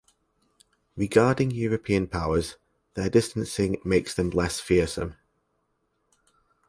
Regarding European powers, their distancing makes them less fearsome.